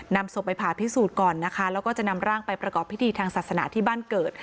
นำศพไปผ่าพิสูจน์ก่อนนะคะแล้วก็จะนำร่างไปประกอบพิธีทางศาสนาที่บ้านเกิด